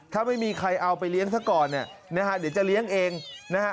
ถ้าไม่มีใครเอาไปเลี้ยงซะก่อนเนี่ยนะฮะเดี๋ยวจะเลี้ยงเองนะฮะ